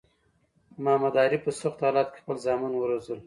محمد عارف په سختو حالاتو کی خپل زامن وروزل